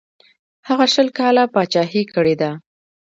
هغه شل کاله پاچهي کړې ده.